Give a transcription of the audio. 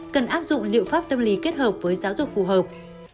cần áp dụng liệu pháp tâm lý kết hợp với giáo dục phù hợp